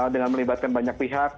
dengan melibatkan banyak penyelidikan